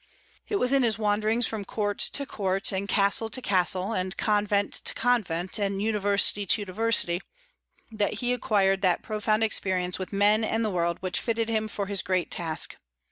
It was in his wanderings from court to court and castle to castle and convent to convent and university to university, that he acquired that profound experience with men and the world which fitted him for his great task.